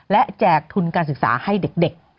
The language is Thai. และแจกทุนการศึกษาให้เด็ก